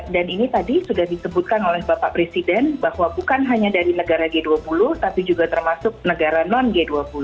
dan ini tadi sudah disebutkan oleh bapak presiden bahwa bukan hanya dari negara g dua puluh tapi juga termasuk negara non g dua puluh